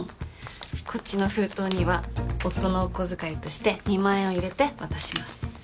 こっちの封筒には夫のお小遣いとして２万円を入れて渡します。